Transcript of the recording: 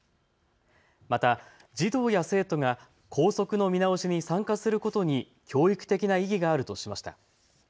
また児童や生徒が校則の見直しに参加することに教育的な意義があるとしました。